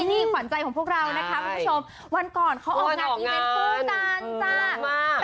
นี่ขวัญใจของพวกเรานะคะคุณผู้ชมวันก่อนเขาออกงานอีเวนต์คู่กันจ้า